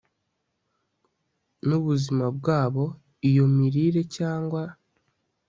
nubuzima bwabo Iyo mirire cyangwa